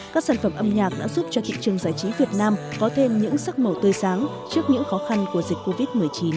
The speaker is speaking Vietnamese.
các sản phẩm âm nhạc đã giúp cho thị trường giải trí việt nam có thêm những sắc màu tươi sáng trước những khó khăn của dịch covid một mươi chín